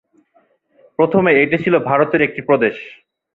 প্রথমে এটি ছিল ভারতের একটি প্রদেশ।